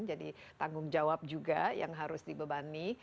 jadi tanggung jawab juga yang harus dibebani